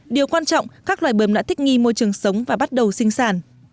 điều quan trọng các loài bưm đã thích nghi môi trường sống và bắt đầu sinh sản